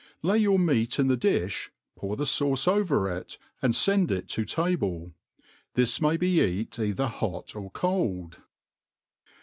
Lay your meat in the di(h, pour the fauce over it^ apd fei|d it to table, Thi9 may be ett either hot or cold.